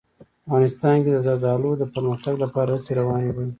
افغانستان کې د زردالو د پرمختګ لپاره هڅې روانې دي.